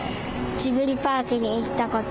ジブリパークに行ったこと。